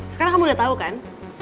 sekarang kamu udah tahu kan